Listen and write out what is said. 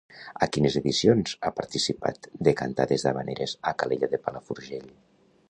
A quines edicions ha participat de cantades d'havaneres a Calella de Palafrugell?